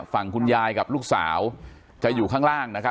ฝั่งคุณยายกับลูกสาวจะอยู่ข้างล่างนะครับ